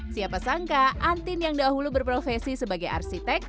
siapa sangka andin yang dahulu berprofesi sebagai arsitek